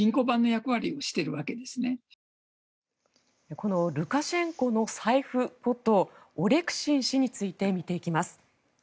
このルカシェンコの財布ことオレクシン氏について見ていきます。